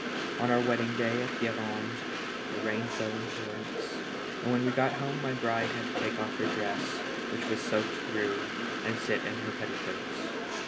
On our wedding day at Guerande the rain fell in torrents, and when w'e got home my bride had to take off her dress, which was soaked through, and sit in her petticoats.